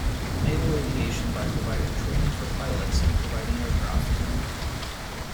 Naval Aviation by providing training for pilots and providing aircraft.